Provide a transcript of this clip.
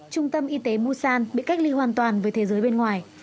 trung tâm y tế busan bị cách ly hoàn toàn với thế giới bên ngoài